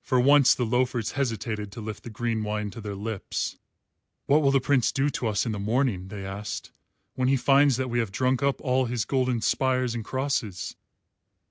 For once the loafers hesitated to lift the green wine to their lips. "What will the Prince do to us in the morning," they asked, "when he finds that we have drunk up all his golden spires and crosses?"